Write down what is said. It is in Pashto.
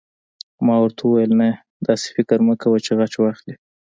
ما ورته وویل: نه، داسې فکر مه کوه چې غچ واخلې.